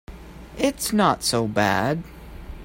It's not so bad.